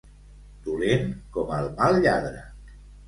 Dolent com el mal lladre.